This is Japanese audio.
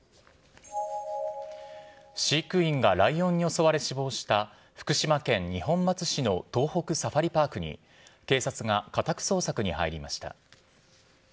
飼育員がライオンに襲われ死亡した、福島県二本松市の東北サファリパークに、警察が家宅捜索に入りました。